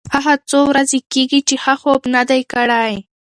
هغه څو ورځې کېږي چې ښه خوب نه دی کړی.